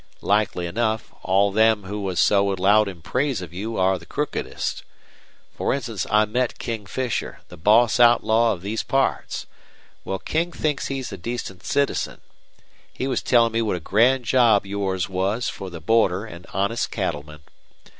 Likely enough, all them who was so loud in praise of you are the crookedest. For instance, I met King Fisher, the boss outlaw of these parts. Well, King thinks he's a decent citizen. He was tellin' me what a grand job yours was for the border an' honest cattlemen.